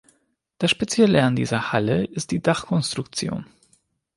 Das spezielle an dieser Halle ist die Dachkonstruktion.